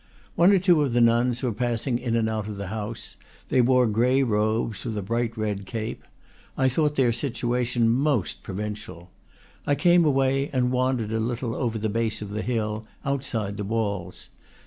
One or two of the nuns were passing in and out of the house; they wore gray robes, with a bright red cape. I thought their situation most pro vincial. I came away, and wandered a little over the base of the hill, outside the walls.